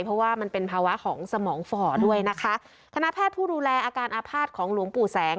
เพราะว่ามันเป็นภาวะของสมองฝ่อด้วยนะคะคณะแพทย์ผู้ดูแลอาการอาภาษณ์ของหลวงปู่แสง